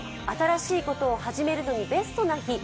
新しいことを始めるのにベストの日。